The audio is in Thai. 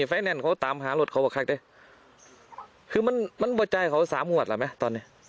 ไฟแนนซ์ก็ตามยึดรถ